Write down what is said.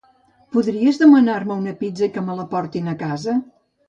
Podries demanar-me una pizza i que me la portin a casa?